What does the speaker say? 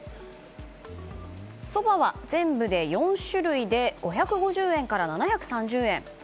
そばは全部で４種類で５５０円から７３０円。